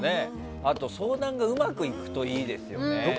あと、相談がうまくいくといいですよね。